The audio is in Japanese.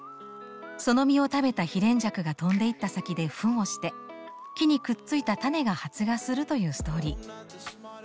その実を食べたヒレンジャクが飛んでいった先でフンをして木にくっついた種が発芽するというストーリー。